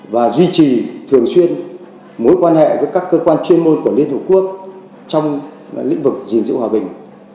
và duy trì thường xuyên mối quan hệ với các cơ quan chuyên môn của liên hợp quốc trong lĩnh vực gìn giữ hòa bình